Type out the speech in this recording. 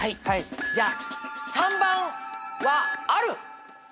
はいじゃあ３番はある！